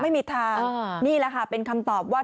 ไม่มีทางนี่แหละค่ะเป็นคำตอบว่า